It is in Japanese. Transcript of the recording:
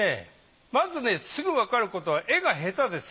まずねすぐわかることは絵が下手です。